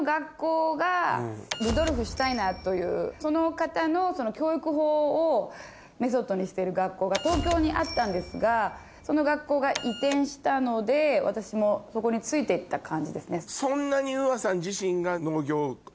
ルドルフ・シュタイナーというその方の教育法をメソッドにしてる学校が東京にあったんですがその学校が移転したので私もそこについて行った感じですね。